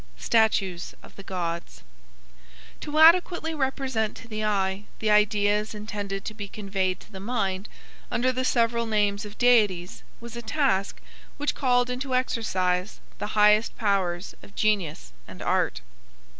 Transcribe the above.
STATUES OF THE GODS To adequately represent to the eye the ideas intended to be conveyed to the mind under the several names of deities was a task which called into exercise the highest powers of genius and art.